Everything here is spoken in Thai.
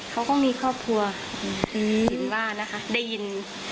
เขาก็มีครอบครัวเห็นว่านะคะได้ยิน